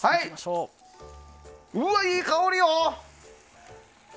うわ、いい香りよ！